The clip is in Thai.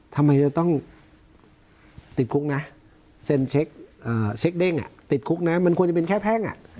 ทำไมจะต้องติดคุกมันควรจะเป็นแค่แพง